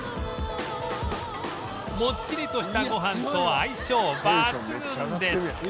モッチリとしたご飯と相性抜群です